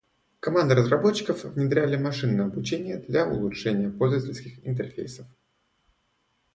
Команды разработчиков внедряли машинное обучение для улучшения пользовательских интерфейсов.